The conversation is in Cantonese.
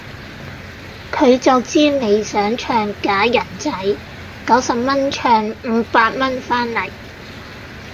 佢就知你想唱假人仔，九十蚊唱五百蚊番嚟